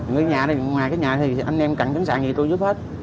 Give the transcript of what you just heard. người nhà này ngoài cái nhà thì anh em cần chứng sản gì tôi giúp hết